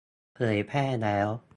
เผยแพร่แล้ว !